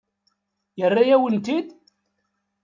Yerra-yawen-ten-id?